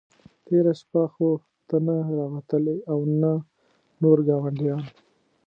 تېره شپه خو نه ته را وتلې او نه نور ګاونډیان.